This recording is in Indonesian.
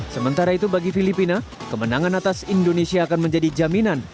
sementara itu bagi filipina kemenangan atas indonesia akan menjadi jaminan